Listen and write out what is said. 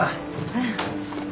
うん。